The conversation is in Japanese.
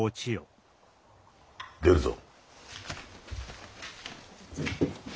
出るぞ。